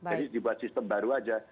jadi dibuat sistem baru saja